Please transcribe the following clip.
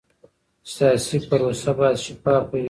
سیاسي پروسه باید شفافه وي